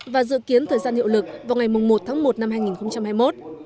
và dự kiến thời gian hiệu lực vào ngày một tháng một năm hai nghìn hai mươi một